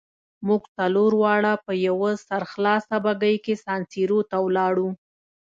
موږ څلور واړه په یوه سرخلاصه بګۍ کې سان سیرو ته ولاړو.